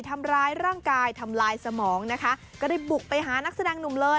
ทำร้ายร่างกายทำลายสมองนะคะก็ได้บุกไปหานักแสดงหนุ่มเลย